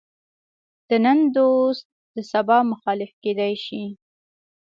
د نن دوست د سبا مخالف کېدای شي.